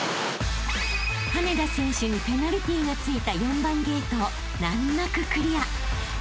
［羽根田選手にペナルティーが付いた４番ゲートを難なくクリア］